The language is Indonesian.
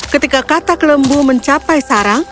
ketika katak lembu mencapai sarang